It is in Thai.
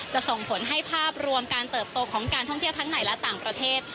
ส่งผลให้ภาพรวมการเติบโตของการท่องเที่ยวทั้งในและต่างประเทศ